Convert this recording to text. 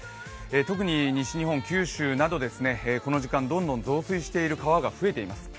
特に西日本、九州などこの時間、どんどん増水している川が増えています。